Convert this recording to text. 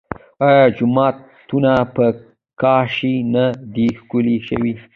آیا جوماتونه په کاشي نه دي ښکلي شوي؟